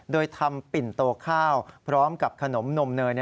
โดยทำปิ่นโตข้าวพร้อมกับขนมนมเนย